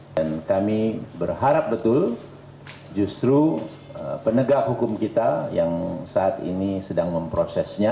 dan kami berharap betul justru penegak hukum kita yang saat ini sedang memprosesnya